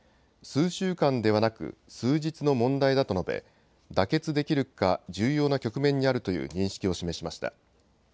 数週間ではなく数日の問題だと述べ、妥結できるか重要な局面にあるという認識を示しました。